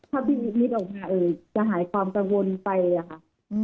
ถ้าพี่คิดออกมาจะหายความกังวลไปอะค่ะ